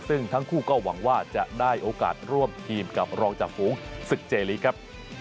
ซึ่งทั้งคู่ก็หวังว่าจะได้โอกาสร่วมทีมกับรองจากฝูงศึกเจลีกครับ